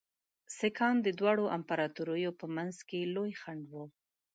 سیکهان د دواړو امپراطوریو په منځ کې لوی خنډ وو.